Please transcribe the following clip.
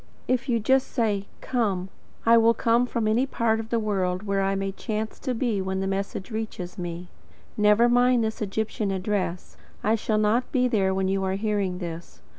If you just say: "COME," I will come from any part of the world where I may chance to be when the message reaches me. Never mind this Egyptian address. I shall not be there when you are hearing this.